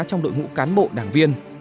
trong đội ngũ cán bộ đảng viên